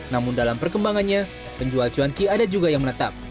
namun dalam perkembangannya penjual cuanki ada juga yang menetap